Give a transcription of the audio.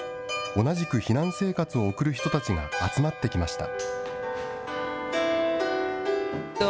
同じく避難生活を送る人たちが集まってきました。